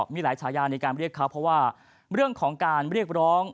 มีหลายฉายาในการเรียกเขาเพราะว่าเรื่องของการเรียกร้อง